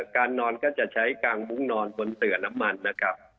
การนอนก็จะใช้กางมุ้งนอนบนเสือน้ำมันนะครับ